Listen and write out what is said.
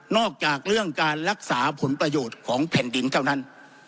อกจากเรื่องการรักษาผลประโยชน์ของแผ่นดินเท่านั้น